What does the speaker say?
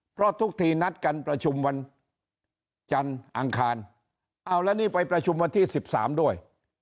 เพราะทุกทีนัดการประชุมวันจันทร์อังคารเอาแล้วนี่ไปประชุมวันที่๑๓ด้วย